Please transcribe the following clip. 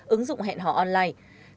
ứng dụng hẹn họ online